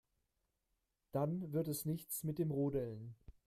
Dann wird es nichts mit dem Rodeln.